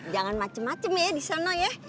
jangan macem macem ya di sana ya